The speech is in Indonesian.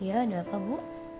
iya ada apa bu